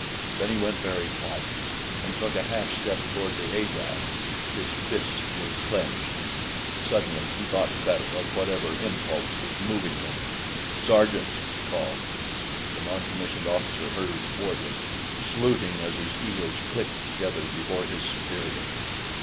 Then he went very white and took a half step toward the Arab. His fists were clenched. Suddenly he thought better of whatever impulse was moving him. "Sergeant!" he called. The non commissioned officer hurried toward him, saluting as his heels clicked together before his superior.